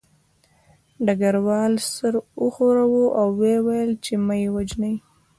ډګروال سر وښوراوه او ویې ویل چې مه یې وژنئ